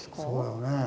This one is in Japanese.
そうだよね。